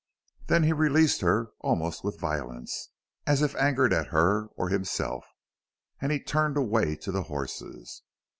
Then he released her, almost with violence, as if angered at her or himself, and he turned away to the horses.